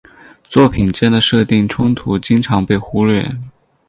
作品间的设定冲突经常被忽略。